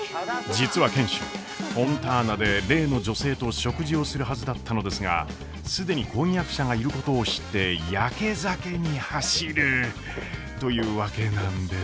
実は賢秀フォンターナで例の女性と食事をするはずだったのですが既に婚約者がいることを知ってやけ酒に走るというわけなんです。